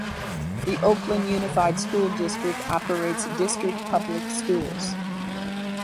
The Oakland Unified School District operates district public schools.